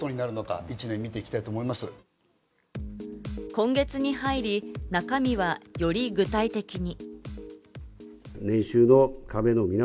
今月に入り、中身は、より具体的に。